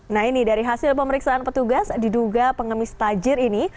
nah ini dari hasil pemeriksaan petugas diduga pengemis tajir ini